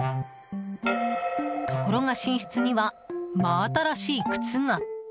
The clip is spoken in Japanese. ところが寝室には真新しい靴が。